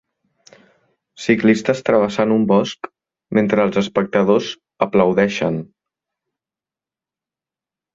Ciclistes travessant un bosc mentre els espectadors aplaudeixen